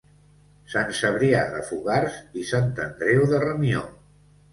Sant Cebrià de Fogars i Sant Andreu de Ramió.